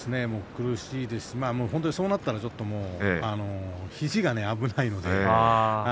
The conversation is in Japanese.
苦しいですしそうなったらもうちょっと肘が危ないので。